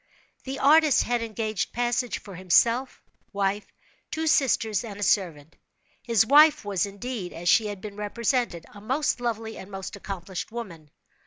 The artist had engaged passage for himself, wife, two sisters and a servant. His wife was, indeed, as she had been represented, a most lovely, and most accomplished woman.